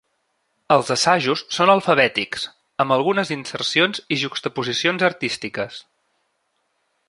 Els assajos són alfabètics, amb algunes insercions i juxtaposicions artístiques.